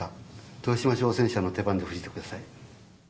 豊島挑戦者の手番で封じてください。